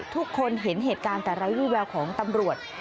ทุกคนเห็นเหตุการณ์แต่ไร้วิแววของตำรวจ